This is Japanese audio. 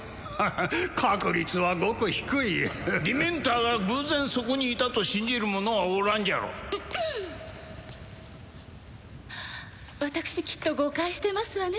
確率はごく低いディメンターが偶然そこにいたと信じる者はおらんじゃろ私きっと誤解してますわね